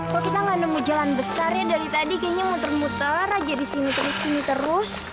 kok kita gak nemu jalan besar ya dari tadi kayaknya muter muter aja di sini terus sini terus